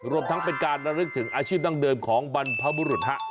รวมทั้งเป็นการระลึกถึงอาชีพดั้งเดิมของบรรพบุรุษฮะ